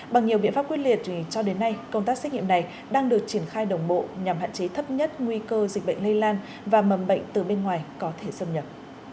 bằng nhiều biện pháp quyết liệt cho đến nay công tác xét nghiệm này đang được triển khai đồng bộ nhằm hạn chế thấp nhất nguy cơ dịch bệnh lây lan và mầm bệnh từ bên ngoài có thể xâm nhập